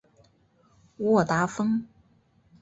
沃达丰